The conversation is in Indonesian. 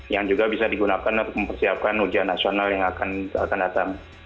yang juga bisa digunakan untuk mempersiapkan ujian nasional yang akan datang